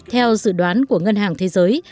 theo dự đoán của ngân hàng thế giới